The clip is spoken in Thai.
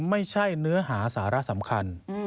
ไม่ใช่เนื้อหาสาระสำคัญ